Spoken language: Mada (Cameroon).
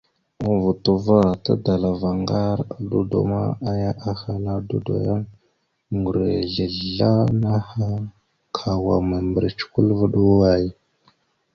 A vuto va, tadalavara ŋgar a dudo ma, aya ahala a dudo ya: Ŋgureslesla naha ma, ka wa ana mèmbirec kwal vaɗ way?